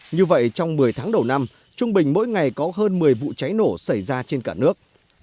như vậy trong một mươi tháng đầu năm trung bình mỗi ngày có hơn một mươi vụ cháy nổ xảy ra trên cả nước